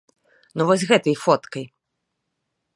Ну вось гэтай фоткай?